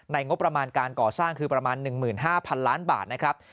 งบประมาณการก่อสร้างคือประมาณ๑๕๐๐๐ล้านบาทนะครับ